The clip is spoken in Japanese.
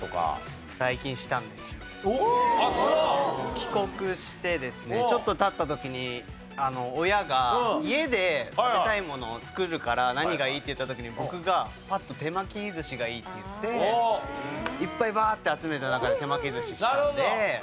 帰国してですねちょっと経った時に親が家で食べたいものを作るから何がいい？って言った時に僕がパッと手巻き寿司がいいって言っていっぱいバーッて集めた中で手巻き寿司したので。